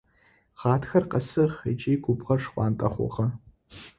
Гъатхэр къэсыгъ ыкӏи губгъор шхъуантӏэ хъугъэ.